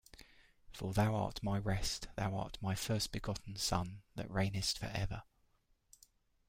For thou art my rest; thou art my first-begotten Son that reignest for ever.